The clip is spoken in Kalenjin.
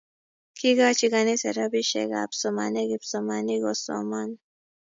Kikachi kaniset rabisiek ab somanet kipsomanik kosoman